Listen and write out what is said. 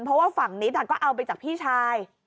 เพราะว่าฝั่งนิดก็เอาไปจากพี่ชาย